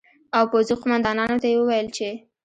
او پوځي قومندانانو ته یې وویل چې